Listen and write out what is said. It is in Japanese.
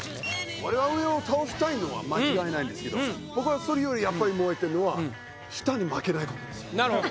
俺は上を倒したいのは間違いないんですけど僕はそれよりやっぱり燃えてるのはなるほど。